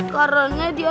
karena dia tak mau jalan